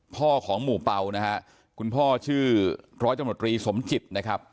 พ่อของหมู่เป่านะฮะคุณพ่อชื่อร้อยตำรวจรีสมจิตนะครับ